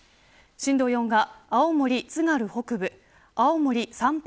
震度４が、青森津軽北部青森三八